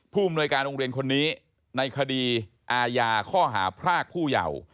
ผู้มนุยการองค์เรียนคนนี้ในคดีอาญาข้อหาพรากผู้เยา